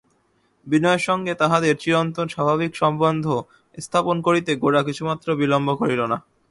বিনয়ের সঙ্গে তাহাদের চিরন্তন স্বাভাবিক সম্বন্ধ স্থাপন করিতে গোরা কিছুমাত্র বিলম্ব করিল না।